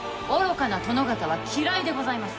愚かな殿方は嫌いでございます。